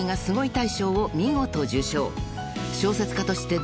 大賞を見事受賞］